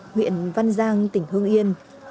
nguyện văn giang tỉnh hương yên